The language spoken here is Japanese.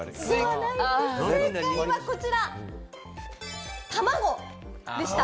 正解はこちら、タマゴでした。